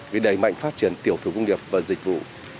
vì đẩy mạnh phát triển tiểu thủ công nghiệp và dịch vụ